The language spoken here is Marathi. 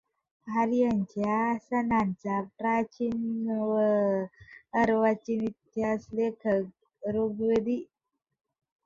आर्यांच्या सणांचा प्राचीन व अर्वाचीन इतिहास लेखक ऋग्वेदी